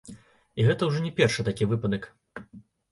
І гэта ўжо не першы такі выпадак.